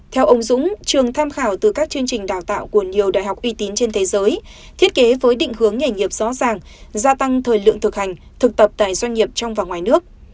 theo ông dũng trường tham khảo từ các chương trình đào tạo của nhiều đại học uy tín trên thế giới thiết kế với định hướng nghề nghiệp rõ ràng gia tăng thời lượng thực hành thực tập tại doanh nghiệp trong và ngoài nước